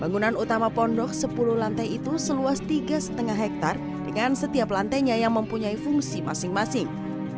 bangunan utama pondok sepuluh lantai itu seluas tiga lima hektare dengan setiap lantainya yang mempunyai fungsi masing masing